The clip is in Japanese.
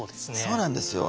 そうなんですよ。